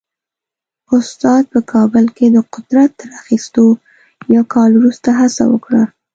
استاد په کابل کې د قدرت تر اخیستو یو کال وروسته هڅه وکړه.